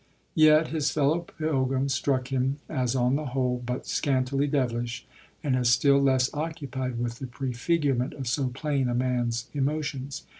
Yet his fellow pilgrim struck him as on the whole but scantly devilish and as still less occupied with the prefigurement of so plain a man's emotions.